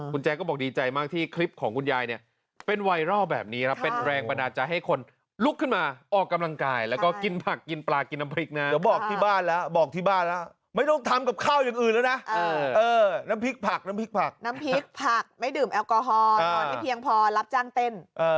คนที่ทำกระทุ้งสิเออ